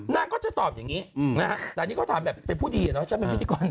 นางก็จะตอบอย่างนี้นะฮะแต่อันนี้เขาถามแบบเป็นผู้ดีอะเนาะฉันเป็นพิธีกร